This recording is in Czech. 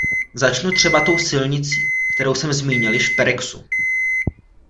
Začnu třeba tou silnicí, kterou jsem zmínil již v perexu.